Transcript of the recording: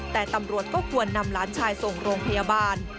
แต่ตำรวจก็ควรนำหลานชายส่งโรงพยาบาล